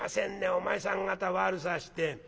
お前さん方悪さして。